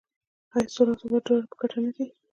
آیا سوله او ثبات د دواړو په ګټه نه دی؟